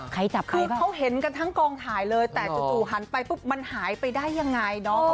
ใครจับใครคือเขาเห็นกันทั้งกองถ่ายเลยแต่จู่หันไปปุ๊บมันหายไปได้ยังไงเนาะ